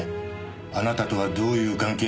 あなたとはどういう関係？